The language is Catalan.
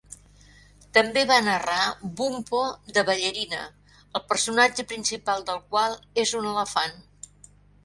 També va narrar "Bumpo the Ballerina", el personatge principal del qual és un elefant.